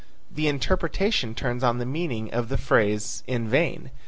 The interpretation turns on the meaning of the phrase, in vain.